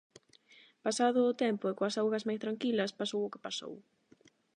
Pasado o tempo e coas augas máis tranquilas, "pasou o que pasou".